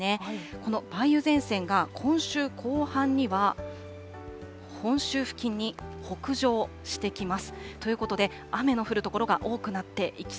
この梅雨前線が今週後半には、本州付近に北上してきます。